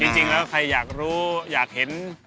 จริงแล้วใครอยากรู้อยากเห็น